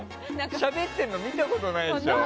しゃべってるの見たことないでしょ。